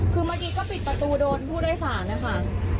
คือเมื่อกี้ก็ปิดประตูโดนผู้ได้ผ่านนะคะ